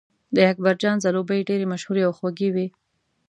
د اکبرجان ځلوبۍ ډېرې مشهورې او خوږې وې.